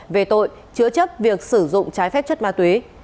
về tội chứa chấp việc sử dụng trái phép chất ma túy